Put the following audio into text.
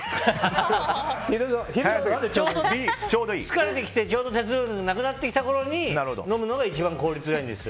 疲れてきてちょうど鉄分がなくなってきたころに飲むのが一番効率がいいんです。